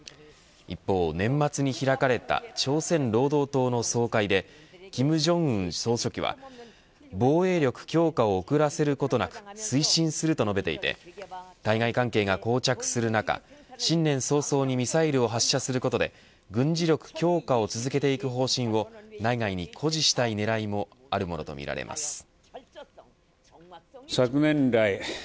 一方、年末に開かれた朝鮮労働党の総会で金正恩総書記は防衛力強化を遅らせることなく推進すると述べていて対外関係がこう着するのか新年早々にミサイルを発射することで軍事力強化を続けていく方針を内外に誇示したい狙いもあるものとみられます。